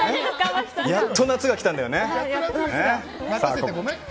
やっと夏が来たんだよね。